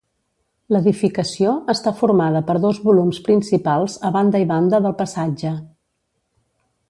L'edificació està formada per dos volums principals a banda i banda del passatge.